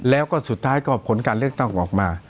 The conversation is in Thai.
แล้วก็สุดท้ายก็ผลการเลือกตั้งออกมา